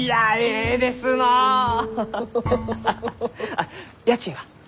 あっ家賃は？